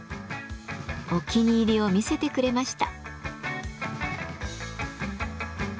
お気に入りを見せてくれました。